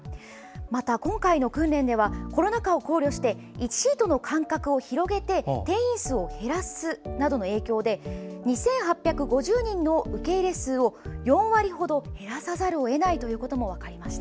また今回の訓練ではコロナ禍を考慮して１シートの間隔を広げて定員数を減らすなどの影響で２８５０人の受け入れ数を４割程減らさざるを得ないということも分かりました。